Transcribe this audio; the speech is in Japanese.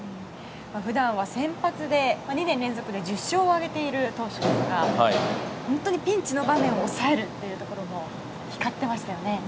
普段は先発で２年連続で１０勝を挙げる投手ですが本当にピンチの場面を抑えるというところも光っていましたよね。